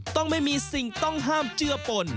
ต้องไม่มีสิ่งต้องห้ามเจือปน